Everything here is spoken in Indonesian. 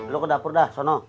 lo ke dapur dah sana